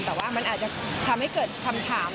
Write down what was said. แต่ว่ามันอาจจะทำให้เกิดคำถาม